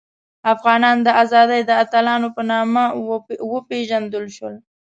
افغانان د ازادۍ د اتلانو په توګه وپيژندل شول.